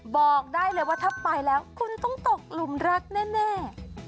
บอกได้เลยว่าถ้าไปแล้วคุณต้องตกหลุมรักแน่